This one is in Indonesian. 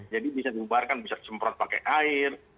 jadi bisa dibubarkan bisa semprot pakai air